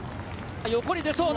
横に出そうだ。